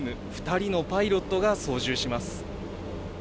２人のパイロットが操縦します。